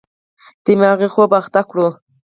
دماغي خوب اخته کړو.